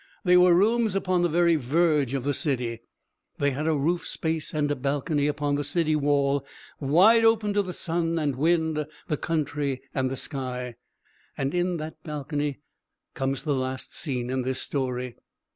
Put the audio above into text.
They were rooms upon the very verge of the city; they had a roof space and a balcony upon the city wall, wide open to the sun and wind, the country and the sky. And in that balcony comes the last scene in this story.